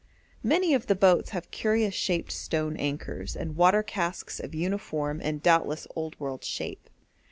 Many of the boats have curious shaped stone anchors, and water casks of uniform and doubtless old world shape.